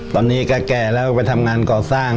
ตอนนี้ก็แก่แล้วไปทำงานก่อสร้าง